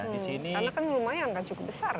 karena kan lumayan kan cukup besar